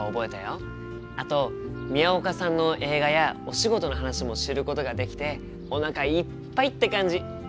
あと宮岡さんの映画やお仕事の話も知ることができておなかいっぱいって感じ！